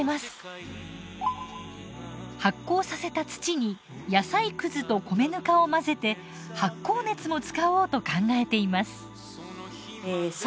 発酵させた土に野菜くずと米ぬかを混ぜて発酵熱も使おうと考えています。